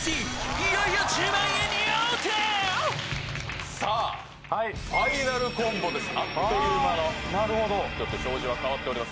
いよいよさあファイナルコンボですあっという間のなるほどちょっと表示が変わっております